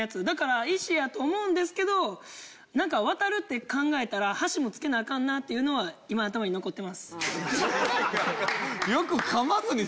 だから「石」やと思うんですけどなんか渡るって考えたら「橋」もつけなアカンなっていうのは今頭に残ってます。